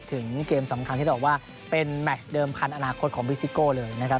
ถึงเกมสำคัญที่เราบอกว่าเป็นแม็กซ์เดิมคันอนาคตของพี่ซิโก้เลยนะครับ